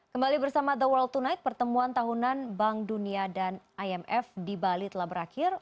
kembali bersama the world tonight pertemuan tahunan bank dunia dan imf di bali telah berakhir